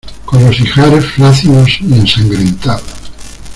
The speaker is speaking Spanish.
con los ijares flácidos y ensangrentados